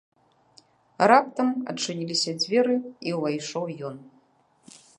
Раптам адчыніліся дзверы і ўвайшоў ён.